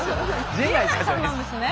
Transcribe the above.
陣内さんなんですね！